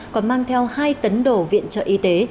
còn mang theo hai tấn đổ viện trợ y tế